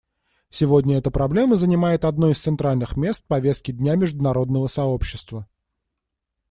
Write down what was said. Сегодня эта проблема занимает одно из центральных мест в повестке дня международного сообщества.